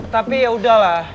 tapi ya udahlah